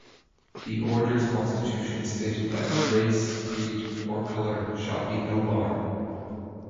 The Orders constitution stated that "race, Creed or Color shall be no bar".